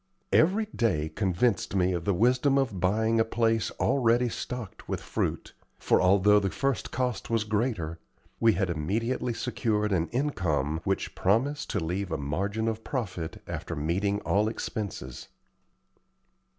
Every day convinced me of the wisdom of buying a place already stocked with fruit; for, although the first cost was greater, we had immediately secured an income which promised to leave a margin of profit after meeting all expenses.